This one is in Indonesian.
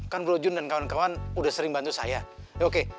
kan bro jun dan kawan kawan udah sering bantu saya oke